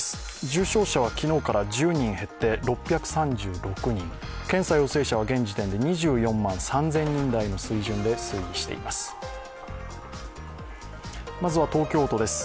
重症者は昨日から１０人減って６３６人検査陽性者は現時点で２４万３０００人台の水準です。